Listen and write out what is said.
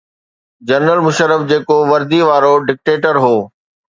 General Musharraf جيڪو وردي وارو ڊڪٽيٽر هو.